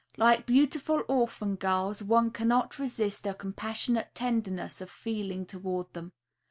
Like beautiful orphan girls, one cannot resist a compassionate tenderness of feeling toward them.